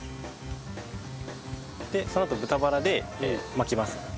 でそのあと豚バラで巻きます。